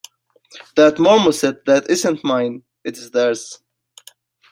That marmoset that isn't mine; it's theirs!